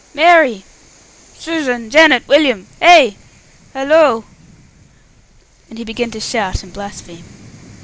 Mary! Susan! Janet! William! Hey! Halloo!" And he began to shout and blaspheme.